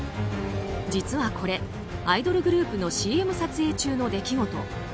実はこれ、アイドルグループのＣＭ撮影中の出来事。